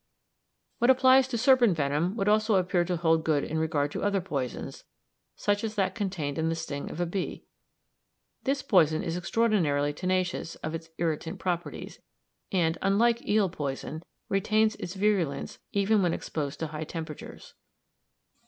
What applies to serpent venom would also appear to hold good in regard to other poisons, such as that contained in the sting of a bee. This poison is extraordinarily tenacious of its irritant properties, and, unlike eel poison, retains its virulence even when exposed to high temperatures.